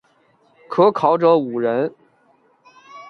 可考者五人。